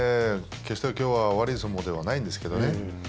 決してきょうは悪い相撲ではないんですけどね